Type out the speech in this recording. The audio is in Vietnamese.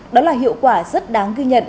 đó là hiệu quả rất đáng ghi nhận